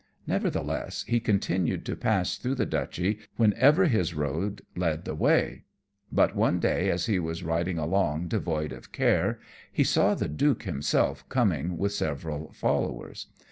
Nevertheless, he continued to pass through the Duchy whenever his road led that way; but one day, as he was riding along devoid of care, he saw the Duke himself coming with several followers.